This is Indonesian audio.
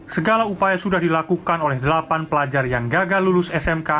segala upaya sudah dilakukan oleh delapan pelajar yang gagal lulus smk